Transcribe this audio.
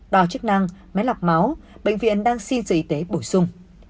đo chức năng máy lọc máu bệnh viện đang xin sự y tế bổ sung